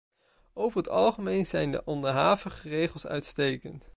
Over het algemeen zijn de onderhavige regels uitstekend.